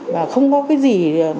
và không có cái gì